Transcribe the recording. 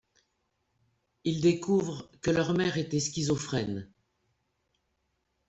Ils découvrent que leur mère était schizophrène.